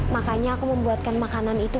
makanya aku membuatkan makanan itu